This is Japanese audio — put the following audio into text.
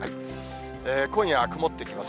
今夜、曇ってきます。